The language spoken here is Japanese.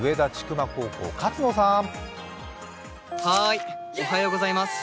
曲高校、勝野さん。